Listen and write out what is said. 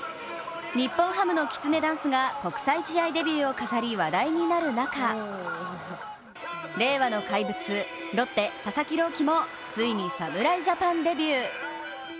日本ハムのきつねダンスが国際試合デビューを飾り話題になる中、令和の怪物、ロッテ・佐々木朗希もついに侍ジャパンデビュー。